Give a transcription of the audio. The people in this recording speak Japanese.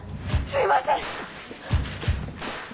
すいません！